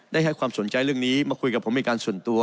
ให้ความสนใจเรื่องนี้มาคุยกับผมเป็นการส่วนตัว